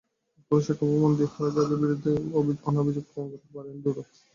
কোনো সাক্ষ্যপ্রমাণ দিয়ে খালেদা জিয়ার বিরুদ্ধে আনা অভিযোগ প্রমাণ করতে পারেনি দুদক।